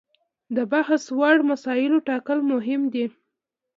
د بحث وړ مسایلو ټاکل مهم دي.